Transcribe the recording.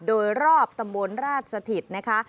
โดยรอบตำบลราชสถิตนะคะ